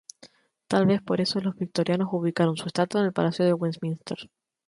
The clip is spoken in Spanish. Tal vez por esto los victorianos ubicaron su estatua en el Palacio de Westminster.